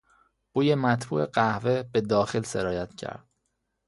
بوی مطبوع قهوه به داخل سرایت کرد.